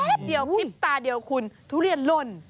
แป๊ปเดียวปิดตาเดียวคุณทุเรียนลลน